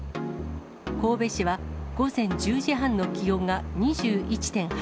神戸市は、午前１０時半の気温が２１．８度。